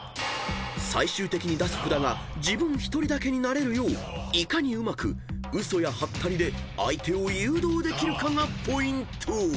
［最終的に出す札が自分１人だけになれるよういかにうまく嘘やハッタリで相手を誘導できるかがポイント］